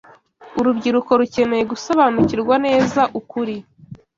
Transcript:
Urubyiruko rukeneye gusobanukirwa neza n’ukuri